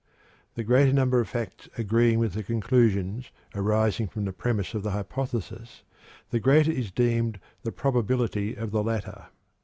The greater number of facts agreeing with the conclusions arising from the premise of the hypothesis, the greater is deemed the "probability" of the latter.